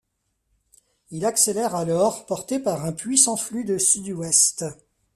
Il accélère alors, porté par un puissant flux de sud-ouest.